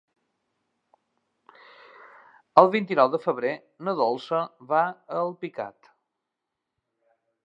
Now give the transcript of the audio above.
El vint-i-nou de febrer na Dolça va a Alpicat.